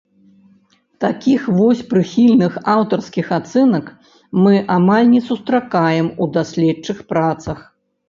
Такіх вось прыхільных аўтарскіх ацэнак мы амаль не сустракаем у даследчых працах.